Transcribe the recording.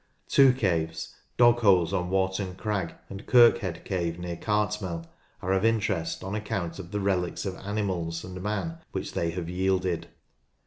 Two caves, Dogholes on Warton Crag and Kirkhead Cave near Cartmel, are of interest on account of the relics of animals and man which they have yielded.